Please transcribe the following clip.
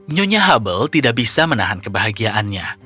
nyonya hubble tidak bisa menahan kebahagiaannya